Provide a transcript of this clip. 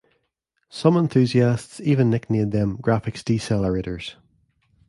Some enthusiasts even nicknamed them graphics decelerators.